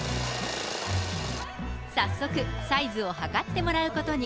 早速、サイズを測ってもらうことに。